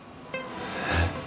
えっ？